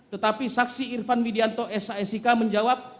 tetapi saksi irvan widianto sik menjawab